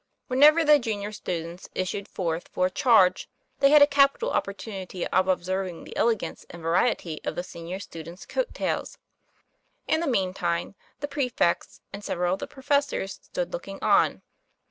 Whenever the junior students issued forth for a charge, they had a capital opportunity of observing the elegance and variety of the senior students' coat tails. In the mean time, the prefects and several of the professors stood looking on.